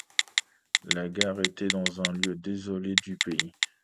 La gare était dans un lieu désolé du pays.